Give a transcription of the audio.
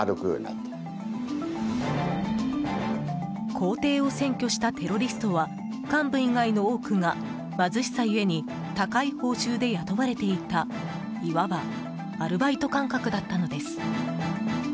公邸を占拠したテロリストは幹部以外の多くが貧しさゆえに高い報酬で雇われていたいわばアルバイト感覚だったのです。